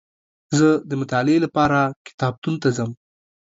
زه دمطالعې لپاره کتابتون ته ځم